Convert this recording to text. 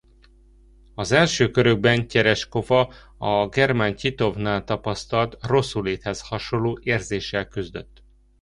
Az első körökben Tyereskova a German Tyitovnál tapasztalt rosszulléthez hasonló érzéssel küzdött.